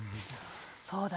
そうだね。